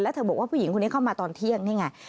เธอบอกว่าผู้หญิงคนนี้เข้ามาตอนเที่ยงนี่ไง